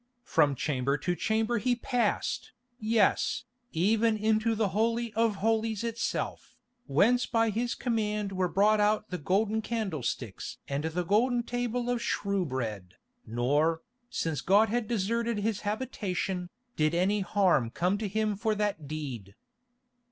From chamber to chamber he passed, yes, even into the Holy of Holies itself, whence by his command were brought out the golden candlesticks and the golden table of shewbread, nor, since God had deserted His habitation, did any harm come to him for that deed.